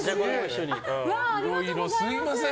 いろいろすみません。